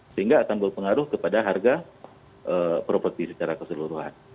sehingga akan berpengaruh kepada harga properti secara keseluruhan